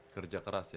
kerja keras ya